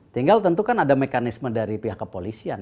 tinggal tentu kan ada mekanisme dari pihak kepolisian